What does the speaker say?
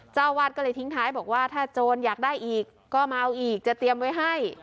เจ้าวาดก็เลยทิ้งท้ายบอกว่าถ้าโจรอยากได้อีกก็มาเอาอีกจะเตรียมไว้ให้